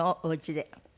おうちで。